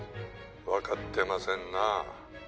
「わかってませんな」